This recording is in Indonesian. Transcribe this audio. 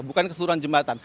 bukan keseluruhan jembatan